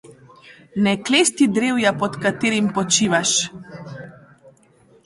Ne klesti drevja pod katerim počivaš.